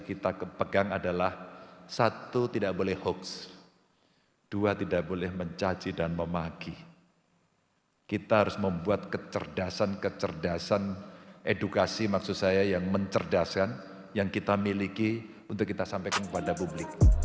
kecerdasan kecerdasan edukasi maksud saya yang mencerdasan yang kita miliki untuk kita sampaikan kepada publik